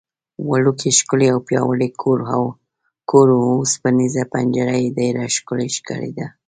وړوکی، ښکلی او پیاوړی کور و، اوسپنېزه پنجره یې ډېره ښکلې ښکارېده.